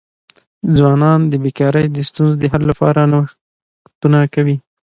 ځوانان د بېکاری د ستونزو د حل لپاره نوښتونه کوي.